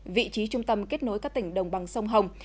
vị trí trung tâm kết nối các tỉnh đồng bằng sông hồng